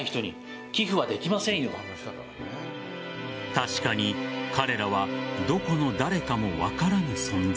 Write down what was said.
確かに彼らはどこの誰かも分からぬ存在。